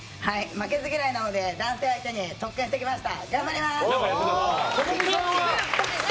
負けず嫌いなので男性相手に特訓してきました。